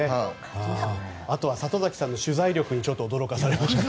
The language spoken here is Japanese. あとは里崎さんの取材力に驚かされます。